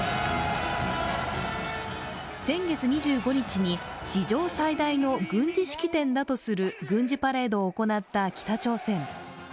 先月２５日に史上最大の軍事式典だとする軍事パレードを行った北朝鮮。